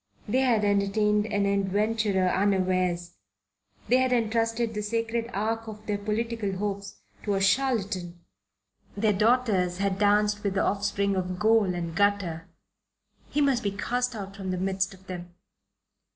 They had entertained an adventurer unawares. They had entrusted the sacred ark of their political hopes to a charlatan. Their daughters had danced with the offspring of gaol and gutter. He must be cast out from the midst of them.